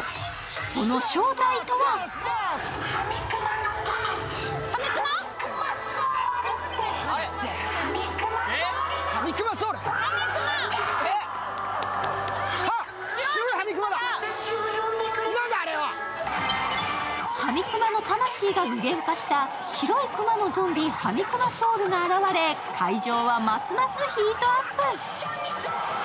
その正体とはハミクマの魂が具現化した白いクマのゾンビハミクマソウルが現れ、会場はますますヒートアップ。